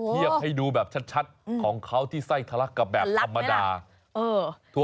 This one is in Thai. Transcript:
เทียบให้ดูแบบชัดของเขาที่ไส้ทะลักกับแบบธรรมดา